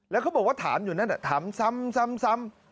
แล้วเขาบอกว่าถามอยู่นั่นถามซ้ำ